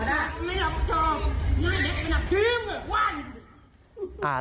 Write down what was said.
เอามา